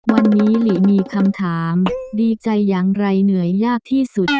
วันนี้หลีมีคำถามดีใจอย่างไรเหนื่อยยากที่สุด